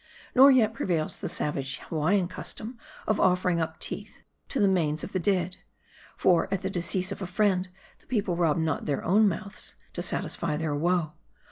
Nor yet prevails the savage Hawaiian custom of offering up teeth to the manes of the dead ; for, at the decease of a friend, the people rob not their own mouths to testify their woe.